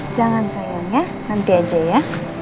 jangan sayang ya nanti aja ya